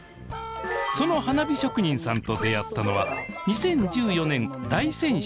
その花火職人さんと出会ったのは２０１４年大仙市の旅。